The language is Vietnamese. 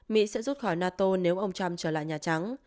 mỹ sẽ rút khỏi nato nếu ông trump trở lại nhà trắng